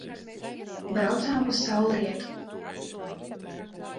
Braucām uz saulrietu.